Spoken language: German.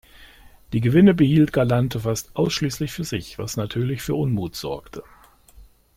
Die Gewinne behielt Galante fast ausschließlich für sich, was natürlich für Unmut sorgte.